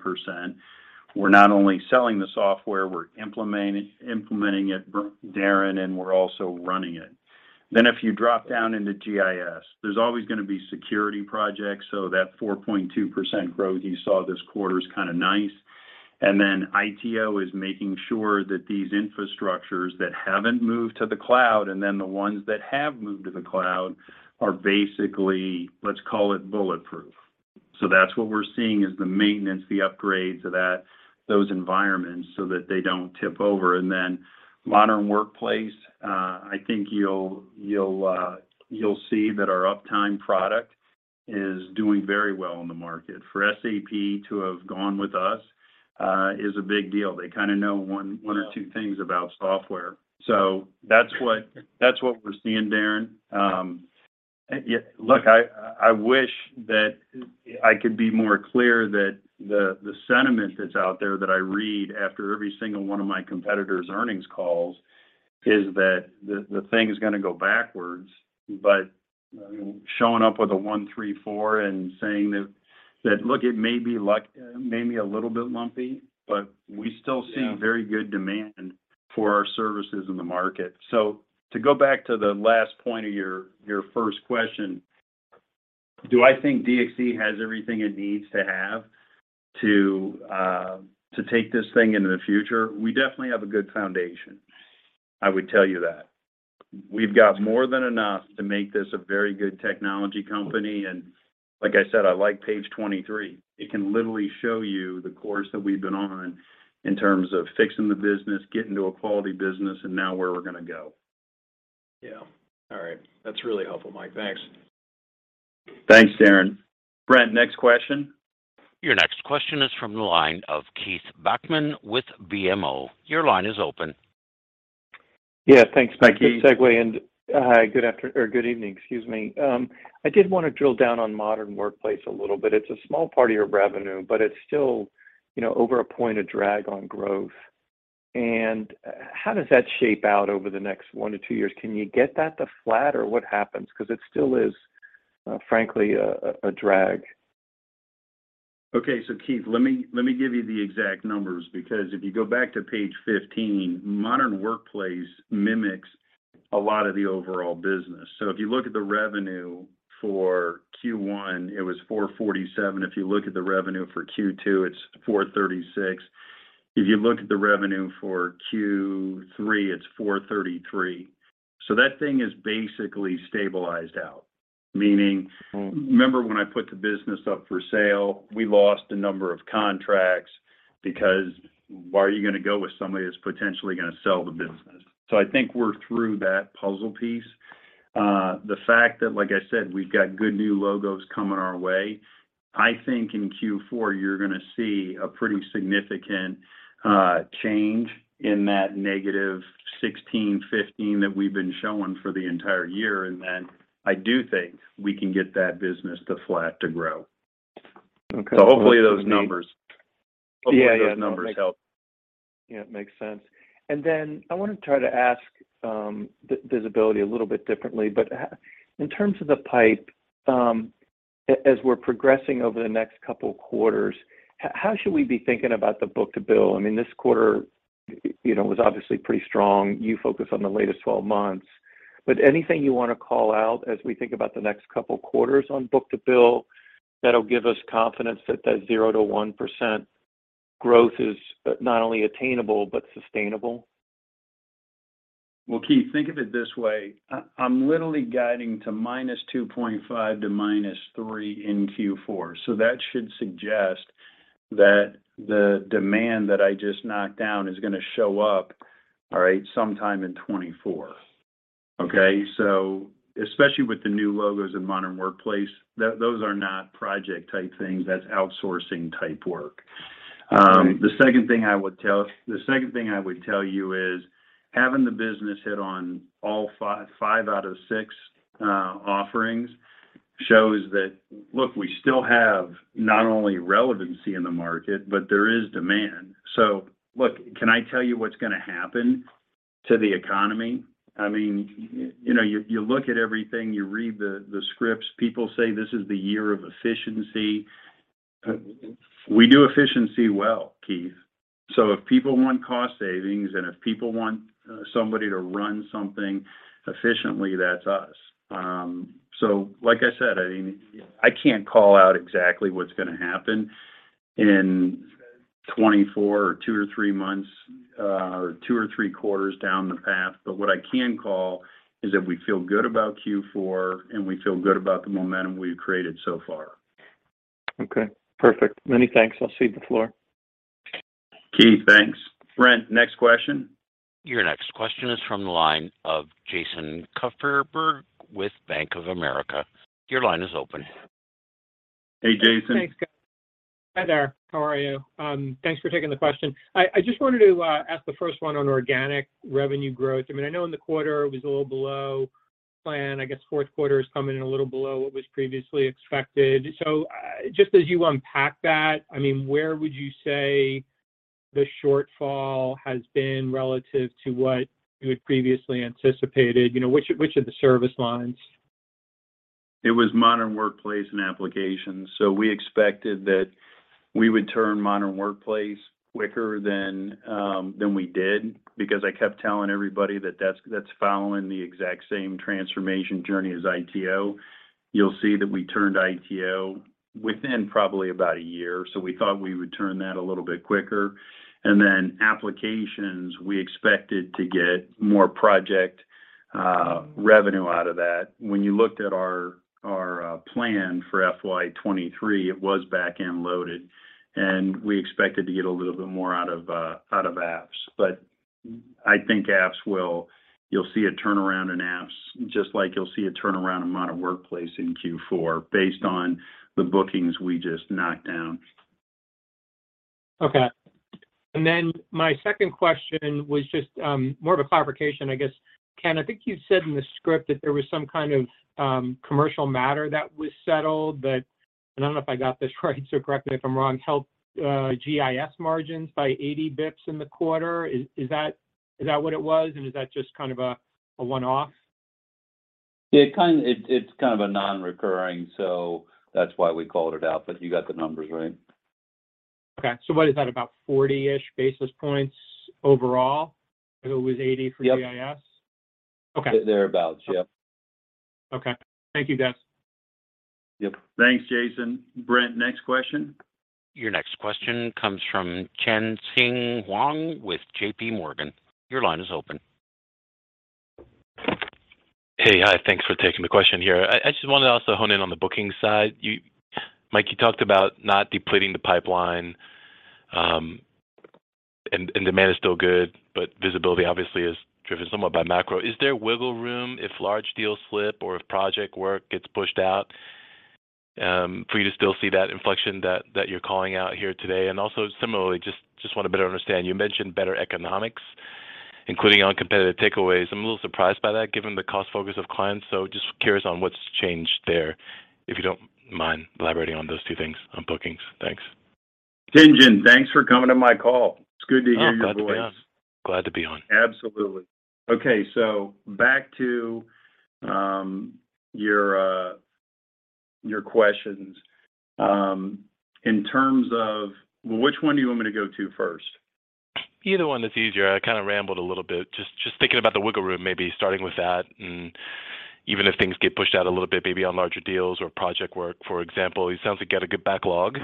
we're not only selling the software, we're implementing it, Darrin, and we're also running it. If you drop down into GIS, there's always gonna be security projects, so that 4.2% growth you saw this quarter is kind of nice. ITO is making sure that these infrastructures that haven't moved to the cloud and then the ones that have moved to the cloud are basically, let's call it, bulletproof. That's what we're seeing is the maintenance, the upgrades of that, those environments so that they don't tip over. Modern Workplace, I think you'll see that our UPtime product is doing very well in the market. For SAP to have gone with us, is a big deal. They kind of know. Yeah... one or two things about software. That's what we're seeing, Darin. Yeah, look, I wish that I could be more clear that the sentiment that's out there that I read after every single one of my competitors' earnings calls is that the thing is gonna go backwards. You know, showing up with a 134 and saying that, look, it may be a little bit lumpy, but we still- Yeah... see very good demand for our services in the market. To go back to the last point of your first question, do I think DXC has everything it needs to have to take this thing into the future? We definitely have a good foundation, I would tell you that. We've got more than enough to make this a very good technology company, and like I said, I like page 23. It can literally show you the course that we've been on in terms of fixing the business, getting to a quality business, and now where we're gonna go. Yeah. All right. That's really helpful, Mike. Thanks. Thanks, Darrin. Brent, next question. Your next question is from the line of Keith Bachman with BMO. Your line is open. Yeah. Thanks, Mike, Hi, Keith.... for the segue. Hi, good evening, excuse me. I did wanna drill down on Modern Workplace a little bit. It's a small part of your revenue, but it's still, you know, over a point of drag on growth. How does that shape out over the next one to two years? Can you get that to flat, or what happens? Because it still is, frankly a drag. Okay. Keith, let me give you the exact numbers because if you go back to page 15, Modern Workplace mimics a lot of the overall business. If you look at the revenue for Q1, it was $447. If you look at the revenue for Q2, it's $436. If you look at the revenue for Q3, it's $433. That thing is basically stabilized out, meaning. Mm-hmm remember when I put the business up for sale, we lost a number of contracts because why are you gonna go with somebody that's potentially gonna sell the business? I think we're through that puzzle piece. The fact that, like I said, we've got good new logos coming our way, I think in Q4 you're gonna see a pretty significant change in that -16% to -15% that we've been showing for the entire year. I do think we can get that business to flat to grow. Okay. Hopefully those numbers. Yeah, yeah. Hopefully those numbers help. Yeah, it makes sense. I wanna try to ask visibility a little bit differently. In terms of the pipe, as we're progressing over the next couple quarters, how should we be thinking about the book-to-bill? I mean, this quarter, you know, was obviously pretty strong. You focus on the latest 12 months. Anything you wanna call out as we think about the next couple quarters on book-to-bill that'll give us confidence that that 0%-1% growth is not only attainable but sustainable? Well, Keith, think of it this way. I'm literally guiding to -2.5% to -3% in Q4, so that should suggest that the demand that I just knocked down is gonna show up, all right, sometime in 2024. Okay? Especially with the new logos in Modern Workplace, those are not project type things, that's outsourcing type work. The second thing I would tell you is, having the business hit on all five out of six offerings shows that, look, we still have not only relevancy in the market, but there is demand. Look, can I tell you what's gonna happen to the economy? I mean, you know, you look at everything, you read the scripts, people say this is the year of efficiency. We do efficiency well, Keith. If people want cost savings, and if people want somebody to run something efficiently, that's us. Like I said, I mean, I can't call out exactly what's gonna happen in 24 or two to three months, two or three quarters down the path, but what I can call is that we feel good about Q4, and we feel good about the momentum we've created so far. Okay, perfect. Many thanks. I'll cede the floor. Keith, thanks. Brent, next question. Your next question is from the line of Jason Kupferberg with Bank of America. Your line is open. Hey, Jason. Thanks, guys. Hi there. How are you? Thanks for taking the question. I just wanted to ask the first one on organic revenue growth. I mean, I know in the quarter it was a little below plan. I guess fourth quarter is coming in a little below what was previously expected. Just as you unpack that, I mean, where would you say the shortfall has been relative to what you had previously anticipated? You know, which of the service lines? It was Modern Workplace and applications. We expected that we would turn Modern Workplace quicker than than we did because I kept telling everybody that that's following the exact same transformation journey as ITO. You'll see that we turned ITO within probably about a year, so we thought we would turn that a little bit quicker. Applications, we expected to get more project revenue out of that. You looked at our plan for FY 2023, it was back-end loaded, and we expected to get a little bit more out of out of apps. I think You'll see a turnaround in apps just like you'll see a turnaround in Modern Workplace in Q4 based on the bookings we just knocked down. My second question was just, more of a clarification, I guess. Ken, I think you said in the script that there was some kind of commercial matter that was settled that, and I don't know if I got this right, so correct me if I'm wrong, helped GIS margins by 80 bps in the quarter. Is that what it was, and is that just kind of a one-off? It's kind of a non-recurring, that's why we called it out. You got the numbers right. Okay. What is that? About 40-ish basis points overall? It was 80 for GIS? Yep. Okay. Thereabout, yep. Okay. Thank you, guys. Yep. Thanks, Jason. Brent, next question. Your next question comes from Tien-Tsin Huang with JPMorgan. Your line is open. Hey. Hi. Thanks for taking the question here. I just wanna also hone in on the bookings side. Mike, you talked about not depleting the pipeline, and demand is still good, but visibility obviously is driven somewhat by macro. Is there wiggle room if large deals slip or if project work gets pushed out, for you to still see that inflection that you're calling out here today? Also similarly, just want to better understand, you mentioned better economics, including on competitive takeaways. I'm a little surprised by that given the cost focus of clients. Just curious on what's changed there, if you don't mind elaborating on those two things on bookings. Thanks. Tien-Tsin, thanks for coming to my call. It's good to hear your voice. Oh, glad to be on. Glad to be on. Absolutely. Okay. Back to your questions. Well, which one do you want me to go to first? Either one that's easier. I kinda rambled a little bit. Just thinking about the wiggle room, maybe starting with that. Even if things get pushed out a little bit, maybe on larger deals or project work, for example. It sounds like you got a good backlog,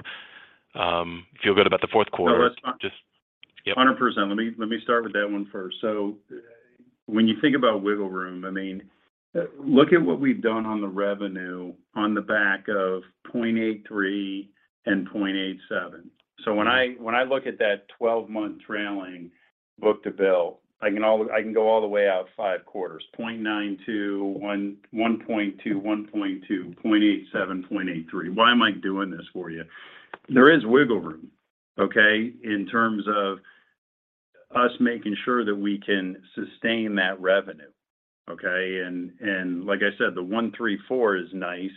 feel good about the fourth quarter. No, that's 100%. Let me start with that one first. When you think about wiggle room, I mean, look at what we've done on the revenue on the back of 0.83 and 0.87. When I look at that 12-month trailing book-to-bill, I can go all the way out five quarters: 0.92, 1.2, 1.2, 0.87, 0.83. Why am I doing this for you? There is wiggle room, okay, in terms of us making sure that we can sustain that revenue, okay? Like I said, the 1.34 is nice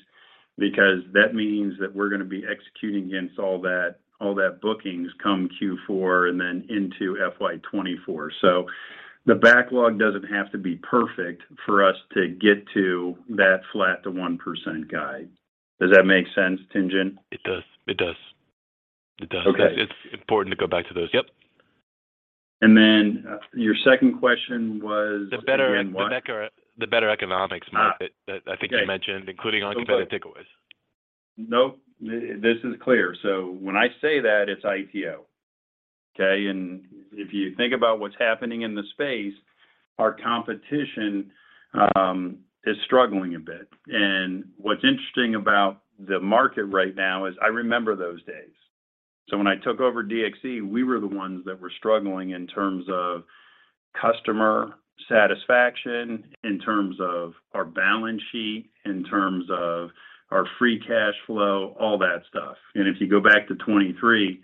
because that means that we're gonna be executing against all that bookings come Q4 and then into FY 2024. The backlog doesn't have to be perfect for us to get to that flat to 1% guide. Does that make sense, Tien-Tsin? It does. It does. It does. Okay. It's important to go back to those. Yep. Your second question was again what? The better economics, Mike, that I think you mentioned, including on competitive takeaways. Nope. This is clear. When I say that, it's ITO. Okay. If you think about what's happening in the space, our competition is struggling a bit. What's interesting about the market right now is I remember those days. When I took over DXC, we were the ones that were struggling in terms of customer satisfaction, in terms of our balance sheet, in terms of our free cash flow, all that stuff. If you go back to 2023,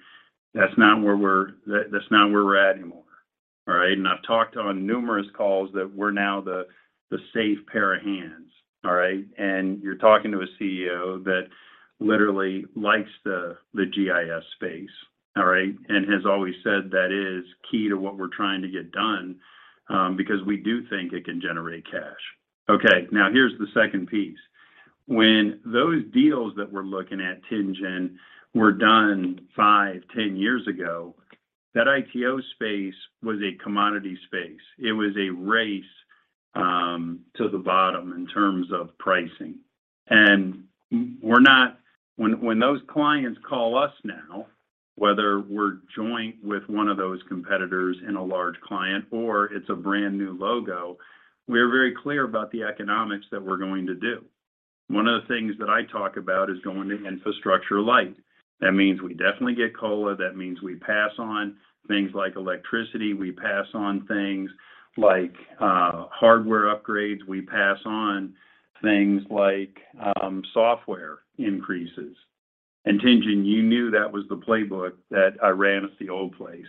that's not where we're at anymore. All right. I've talked on numerous calls that we're now the safe pair of hands. All right. You're talking to a CEO that literally likes the GIS space, all right, and has always said that is key to what we're trying to get done because we do think it can generate cash. Okay. Now here's the second piece. When those deals that we're looking at, Tien-Tsin, were done five, 10 years ago, that ITO space was a commodity space. It was a race to the bottom in terms of pricing. When those clients call us now, whether we're joint with one of those competitors in a large client or it's a brand-new logo, we're very clear about the economics that we're going to do. One of the things that I talk about is going to infrastructure light. That means we definitely get COLA. That means we pass on things like electricity. We pass on things like hardware upgrades. We pass on things like software increases. Tien-Tsin, you knew that was the playbook that I ran at the old place.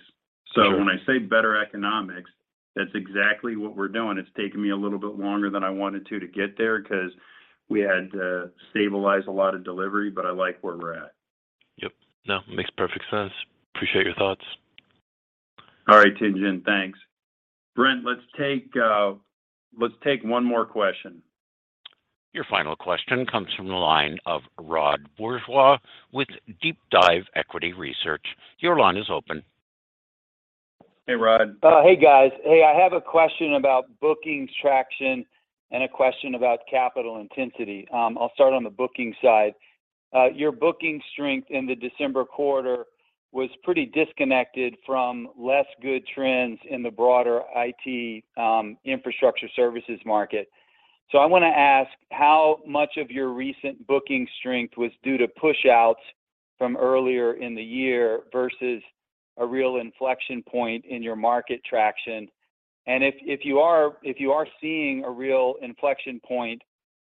Sure. When I say better economics, that's exactly what we're doing. It's taken me a little bit longer than I wanted to to get there because we had to stabilize a lot of delivery, but I like where we're at. Yep. No, makes perfect sense. Appreciate your thoughts. All right. Tien-Tsin, thanks. Brent, let's take one more question. Your final question comes from the line of Rod Bourgeois with DeepDive Equity Research. Your line is open. Hey, Rod. Hey, guys. Hey, I have a question about bookings traction and a question about capital intensity. I'll start on the booking side. Your booking strength in the December quarter was pretty disconnected from less good trends in the broader IT infrastructure services market. I want to ask how much of your recent booking strength was due to pushouts from earlier in the year versus a real inflection point in your market traction. If you are seeing a real inflection point,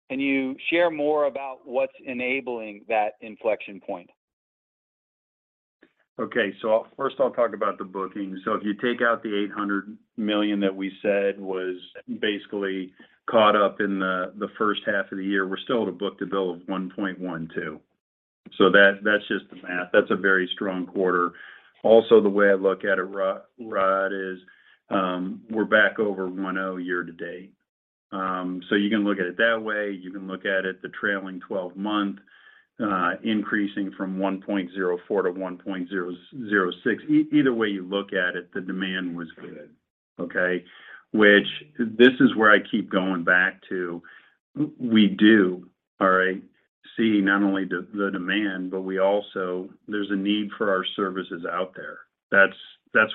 can you share more about what's enabling that inflection point? First I'll talk about the bookings. If you take out the $800 million that we said was basically caught up in the first half of the year, we're still at a book-to-bill of 1.12. That, that's just the math. That's a very strong quarter. Also, the way I look at it, Rod, is, we're back over 1.0 year to date. You can look at it that way. You can look at it the trailing 12-month increasing from 1.04-1.006. Either way you look at it, the demand was good. Okay? Which this is where I keep going back to. We do, all right, see not only the demand, but we also, there's a need for our services out there. That's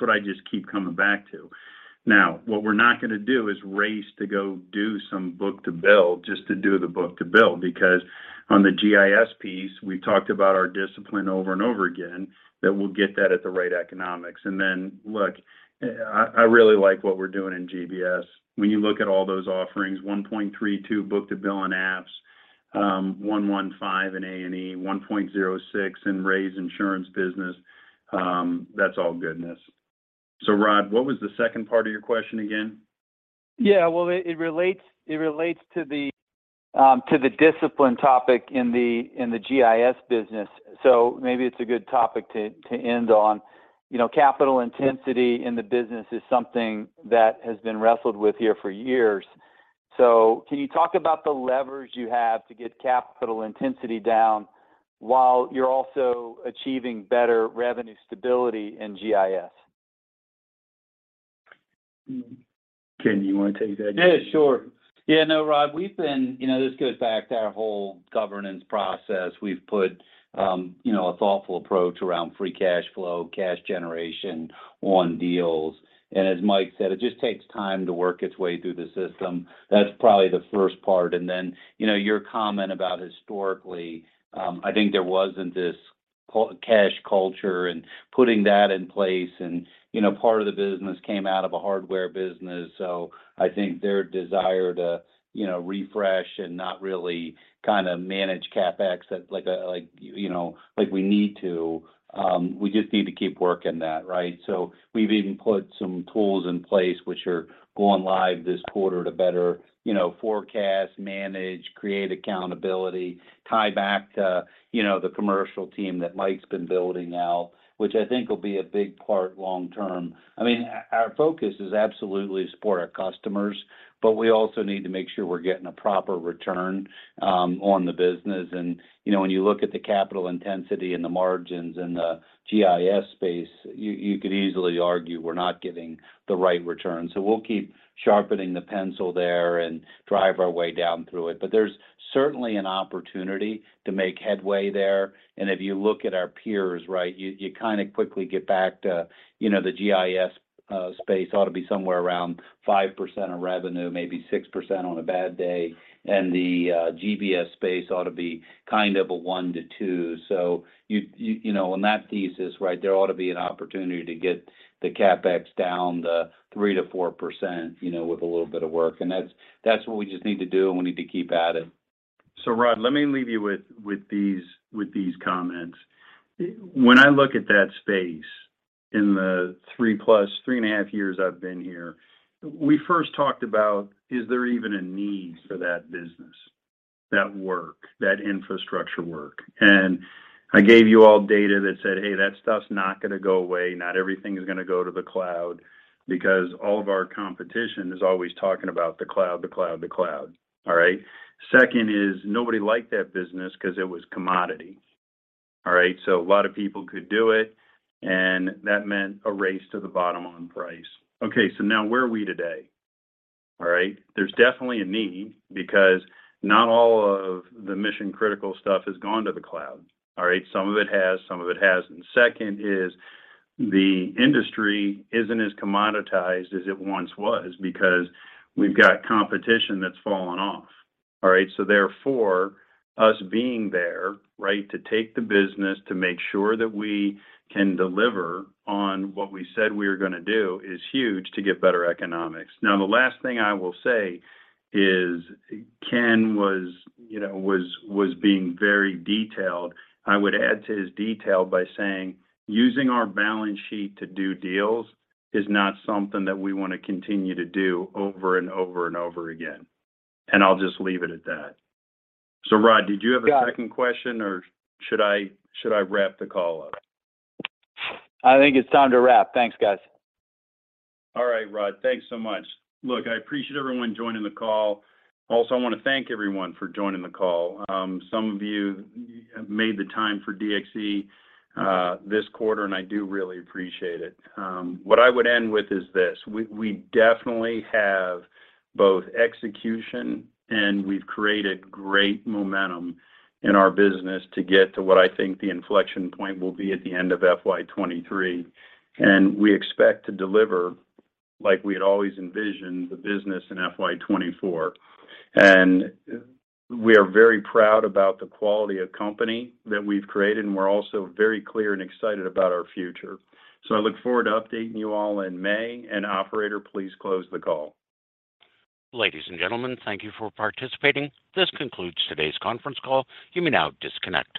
what I just keep coming back to. What we're not gonna do is race to go do some book-to-bill just to do the book-to-bill, because on the GIS piece, we've talked about our discipline over and over again that we'll get that at the right economics. Look, I really like what we're doing in GBS. When you look at all those offerings, 1.32 book-to-bill in apps, 1.15 in A&E, 1.06 in Ray's insurance business, that's all goodness. Rod, what was the second part of your question again? Yeah. Well, it relates to the discipline topic in the GIS business. Maybe it's a good topic to end on. You know, capital intensity in the business is something that has been wrestled with here for years. Can you talk about the levers you have to get capital intensity down while you're also achieving better revenue stability in GIS? Ken, do you want to take that? Yeah, sure. Yeah. No, Rod. You know, this goes back to our whole governance process. We've put, you know, a thoughtful approach around free cash flow, cash generation on deals. As Mike said, it just takes time to work its way through the system. That's probably the first part. Then, you know, your comment about historically, I think there wasn't this cash culture and putting that in place and, you know, part of the business came out of a hardware business. I think their desire to, you know, refresh and not really kind of manage CapEx like, you know, like we need to, we just need to keep working that, right? We've even put some tools in place which are going live this quarter to better, you know, forecast, manage, create accountability, tie back to, you know, the commercial team that Mike's been building out, which I think will be a big part long term. I mean, our focus is absolutely to support our customers, but we also need to make sure we're getting a proper return on the business. You know, when you look at the capital intensity and the margins in the GIS space, you could easily argue we're not getting the right return. We'll keep sharpening the pencil there and drive our way down through it. There's certainly an opportunity to make headway there, and if you look at our peers, right, you kind of quickly get back to, you know, the GIS space ought to be somewhere around 5% of revenue, maybe 6% on a bad day, and the GBS space ought to be kind of a 1% -2%. You, you know, on that thesis, right, there ought to be an opportunity to get the CapEx down the 3%-4%, you know, with a little bit of work. That's what we just need to do, and we need to keep at it. Rod, let me leave you with these comments. When I look at that space in the three plus, three and a half years I've been here, we first talked about is there even a need for that business, that work, that infrastructure work? I gave you all data that said, "Hey, that stuff's not gonna go away. Not everything is gonna go to the cloud," because all of our competition is always talking about the cloud, the cloud, the cloud. All right? Second is, nobody liked that business 'cause it was commodity. All right? A lot of people could do it, and that meant a race to the bottom on price. Now where are we today? All right? There's definitely a need because not all of the mission-critical stuff has gone to the cloud. All right? Some of it has, some of it hasn't. Second is the industry isn't as commoditized as it once was because we've got competition that's fallen off. All right? Therefore, us being there, right, to take the business, to make sure that we can deliver on what we said we were gonna do is huge to get better economics. The last thing I will say is, Ken was, you know, being very detailed. I would add to his detail by saying using our balance sheet to do deals is not something that we wanna continue to do over and over and over again, and I'll just leave it at that. Rod, did you have a second question, or should I wrap the call up? I think it's time to wrap. Thanks, guys. All right, Rod. Thanks so much. Look, I appreciate everyone joining the call. Also, I wanna thank everyone for joining the call. Some of you made the time for DXC this quarter, and I do really appreciate it. What I would end with is this. We definitely have both execution, and we've created great momentum in our business to get to what I think the inflection point will be at the end of FY 2023, and we expect to deliver like we had always envisioned the business in FY 2024. We are very proud about the quality of company that we've created, and we're also very clear and excited about our future. I look forward to updating you all in May. Operator, please close the call. Ladies and gentlemen, thank you for participating. This concludes today's conference call. You may now disconnect.